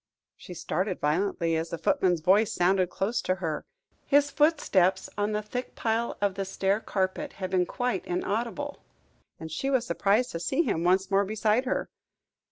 She started violently as the footman's voice sounded close to her. His footstep on the thick pile of the stair carpet had been quite inaudible, and she was surprised to see him once more beside her.